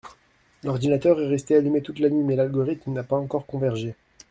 L’ordinateur est resté allumé toute la nuit mais l’algorithme n’a pas encore convergé.